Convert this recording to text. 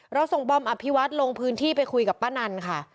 ส่งบอมอภิวัตรลงพื้นที่ไปคุยกับป้านันค่ะ